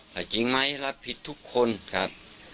แต่จริงไหมรับผิดทุกคนครับ